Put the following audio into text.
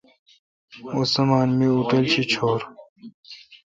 اوں سامان مہ اوٹل شی چھور۔